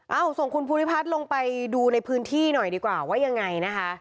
ส่งคุณภูริพัฒน์ลงไปดูในพื้นที่หน่อยดีกว่าว่ายังไงนะคะ